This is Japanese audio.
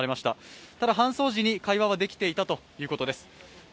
ただ、搬送時に会話はできていたということです。